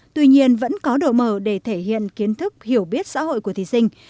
tuy nhiên vẫn có độ mở để thể hiện kiến thức hiểu biết xã hội của thí sinh